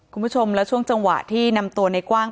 คุณผู้ชมแล้วช่วงจังหวะที่นำตัวในกว้าง